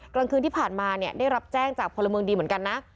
กลางคืนที่ผ่านมาเนี่ยได้รับแจ้งจากพลเมืองดีเหมือนกันนะ